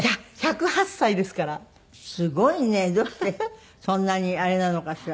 どうしてそんなにあれなのかしら？